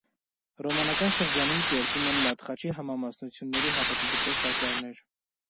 Ռոմանական շրջանում կերտվում են լատխաչի համամասնությունների հատակագծով տաճարներ։